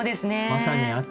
まさに秋。